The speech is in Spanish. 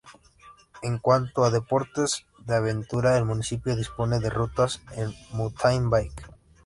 En cuanto a deportes de aventura, el municipio dispone de rutas en Mountain-bike.